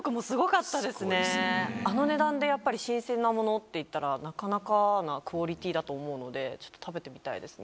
あの値段でやっぱり新鮮なものといったらなかなかなクオリティーだと思うのでちょっと食べてみたいですね。